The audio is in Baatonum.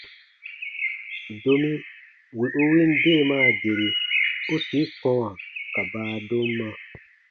Domi wì u win deemaa deri, u tii kɔ̃wa ka baadomma.